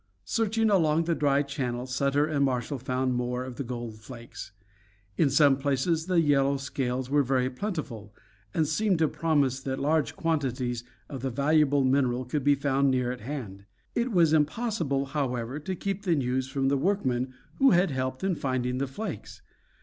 Searching along the dry channel Sutter and Marshall found more of the gold flakes. In some places the yellow scales were very plentiful, and seemed to promise that large quantities of the valuable mineral could be found near at hand. It was impossible, however, to keep the news from the workmen who had helped in finding the flakes.